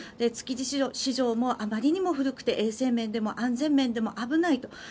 築地市場もあまりにも古くて衛生面でも安全面でも危ないと。